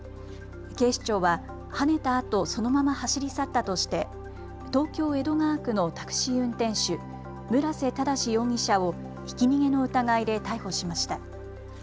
警視庁ははねたあと、そのまま走り去ったとして東京江戸川区のタクシー運転手、村瀬正容疑者をひき逃げの疑いで逮捕しました。